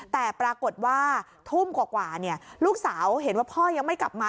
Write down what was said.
แต่ปรากฏว่าทุ่มกว่าลูกสาวเห็นว่าพ่อยังไม่กลับมา